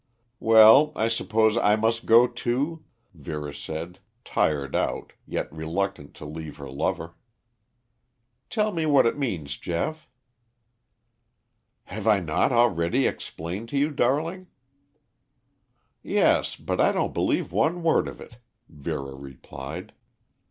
"Well, I suppose I must go, too?" Vera said, tired out, yet reluctant to leave her lover. "Tell me what it means, Geoff?" "Have I not already explained to you, darling?" "Yes, but I don't believe one word of it," Vera replied.